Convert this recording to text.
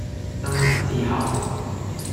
登入之後